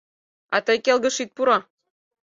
— А тый келгыш ит пуро.